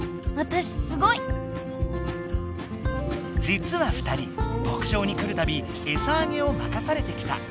実は２人牧場に来るたびエサあげをまかされてきた。